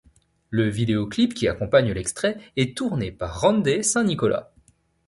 Le vidéoclip qui accompagne l'extrait, est tourné par Randee St Nicholas.